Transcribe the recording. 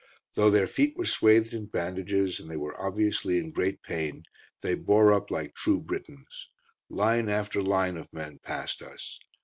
Though their feet were swathed in bandages, and they were obviously in great pain, they bore up like true Britons. Line after line of men passed us.